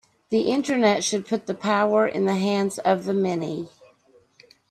The Internet should put the power in the hands of the many.